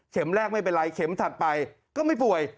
แรกไม่เป็นไรเข็มถัดไปก็ไม่ป่วย